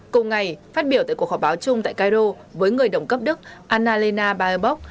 cùng ngày phát biểu tại cuộc họp báo chung tại cairo với người đồng cấp đức anna lena baerbock